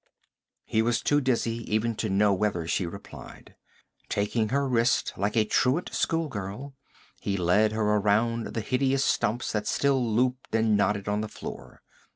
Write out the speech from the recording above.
He was too dizzy even to know whether she replied. Taking her wrist like a truant schoolgirl, he led her around the hideous stumps that still looped and knotted on the floor.